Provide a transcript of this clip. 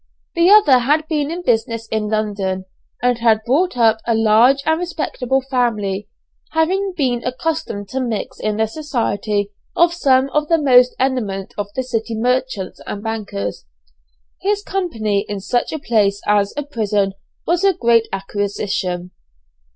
The other had been in business in London, and had brought up a large and respectable family. Having been accustomed to mix in the society of some of the most eminent of the city merchants and bankers, his company in such a place as a prison was a great acquisition.